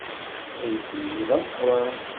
Aydi-inu d ameqran.